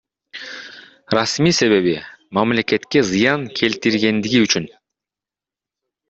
Расмий себеби — мамлекетке зыян келтиргендиги үчүн.